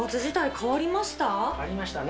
変わりましたね。